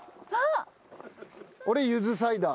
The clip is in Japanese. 俺ゆずサイダー。